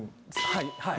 はいはい。